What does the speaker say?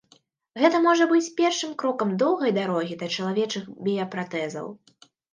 Гэта можа быць першым крокам доўгай дарогі да чалавечых біяпратэзаў.